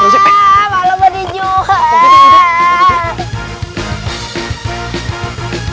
malah mau di jual